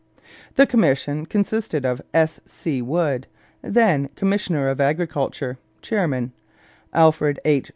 The commission consisted of S. C. Wood, then commissioner of Agriculture (chairman), Alfred H.